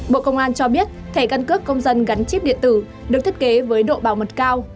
bộ công an cho biết thẻ căn cước công dân gắn chip điện tử được thiết kế với độ bảo mật cao